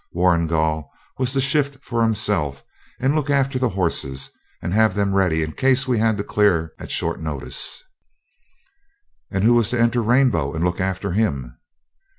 Warrigal would shift for himself and look after the horses, and have them ready in case we had to clear at short notice. 'And who was to enter Rainbow and look after him?'